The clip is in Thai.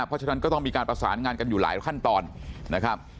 เพราะฉะนั้นก็ต้องมีการประสานงานกันอยู่หลายขั้นตอนนะครับ